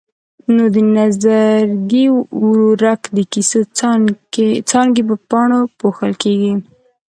نو د نظرګي ورورک د کیسو څانګې په پاڼو پوښل کېږي.